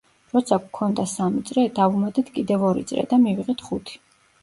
როცა გვქონდა სამი წრე, დავუმატეთ კიდევ ორი წრე და მივიღეთ ხუთი.